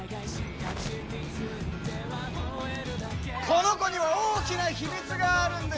この子には大きな秘密があるんです！